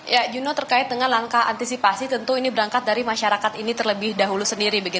ya juno terkait dengan langkah antisipasi tentu ini berangkat dari masyarakat ini terlebih dahulu sendiri